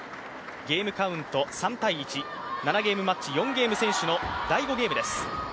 ゲームカウント３−１７ゲームマッチ、４ゲーム先取の第５ゲームです。